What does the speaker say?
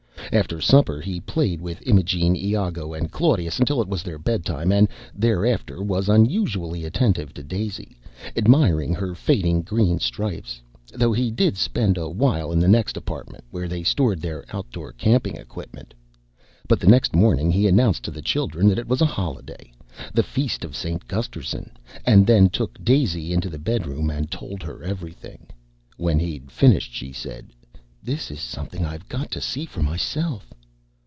After supper he played with Imogene, Iago and Claudius until it was their bedtime and thereafter was unusually attentive to Daisy, admiring her fading green stripes, though he did spend a while in the next apartment, where they stored their outdoor camping equipment. But the next morning he announced to the children that it was a holiday the Feast of St. Gusterson and then took Daisy into the bedroom and told her everything. When he'd finished she said, "This is something I've got to see for myself."